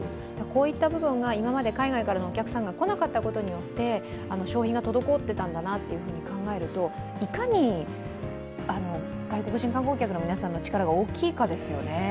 こういった部分が、今まで海外のお客さんが来なかったことによって消費が滞ってたんだなと考えるといかに外国人観光客の皆さんの力が大きいかですよね。